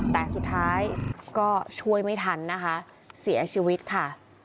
แต่สุดท้ายก็ช่วยไม่ทันนะคะเสียชีวิตค่ะ